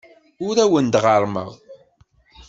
Ur awen-d-ɣerrmeɣ.